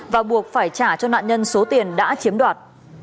và buộc phải trả cho nạn nhân số tiền đã chiếm đoạt